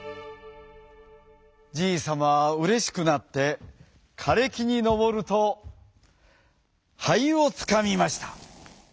じいさまはうれしくなってかれきにのぼるとはいをつかみました。